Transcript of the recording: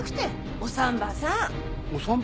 お産婆さん。